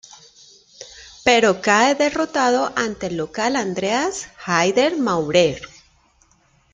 Pero cae derrotado ante el local Andreas Haider-Maurer.